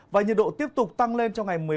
và nhiệt độ tiếp tục tăng lên trong ngày mai